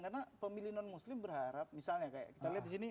karena pemilih non muslim berharap misalnya kayak kita lihat disini